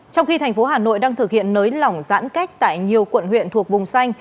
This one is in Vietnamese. trong khi thành phố hà nội đang thực hiện nới lỏng giãn cách tại nhiều quận huyện thuộc vùng xanh